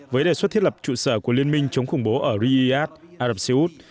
với đề xuất thiết lập trụ sở của liên minh chống khủng bố ở riyadh arab seyoud